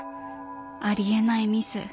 ありえないミス。